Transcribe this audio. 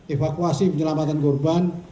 evakuasi penyelamatan korban